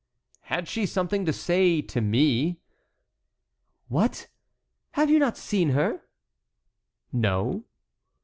"Had she something to say to me?" "What! Have you not seen her?" "No."